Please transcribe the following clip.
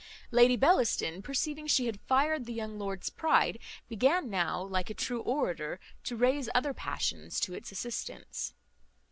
Lady Bellaston, perceiving she had fired the young lord's pride, began now, like a true orator, to rouse other passions to its assistance.